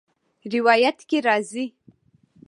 روايت کي راځي :